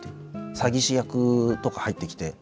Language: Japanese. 詐欺師役とか入ってきて。